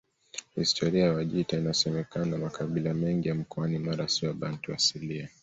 Historia ya Wajita Inasemekana makabila mengi ya mkoani Mara si wabantu asilia